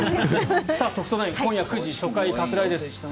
「特捜９」今夜９時初回拡大です。